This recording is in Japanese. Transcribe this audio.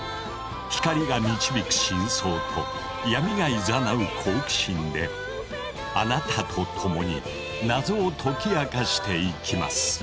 光が導く真相と闇が誘う好奇心であなたと共に謎を解き明かしていきます。